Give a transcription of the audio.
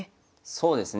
そうですね。